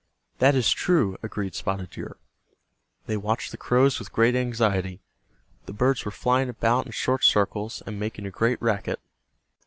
"That is true," agreed Spotted Deer. They watched the crows with great anxiety. The birds were flying about in short circles, and making a great racket.